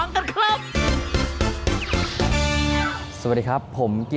๑๐กว่าปี